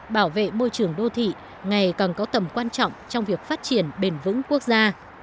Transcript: bảo vệ môi trường đô thị ngày càng có tầm quan trọng trong việc phát triển bền vững quốc gia